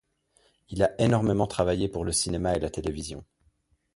Il a énormément travaillé pour le cinéma et la télévision.